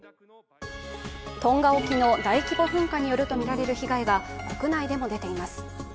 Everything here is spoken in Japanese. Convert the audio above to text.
トンガ沖の大規模噴火によるとみられる被害が国内でも出ています。